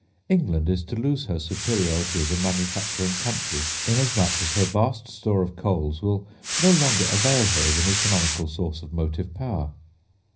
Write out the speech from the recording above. England is to lose her superiority as a manufacturing country, inasmuch as her vast store of coals will no longer avail her as an economical source of motive power.